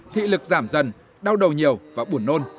thị lực giảm dần đau đầu nhiều và buồn nôn